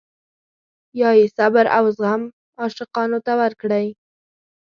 یا یې صبر او زغم عاشقانو ته ورکړی.